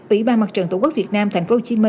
ủy ban mặt trận tổ quốc việt nam tp hcm